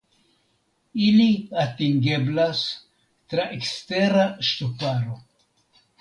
Ili atingeblas tra ekstera ŝtuparo.